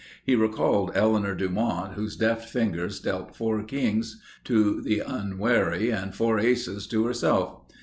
He recalled Eleanor Dumont, whose deft fingers dealt four kings to the unwary and four aces to herself.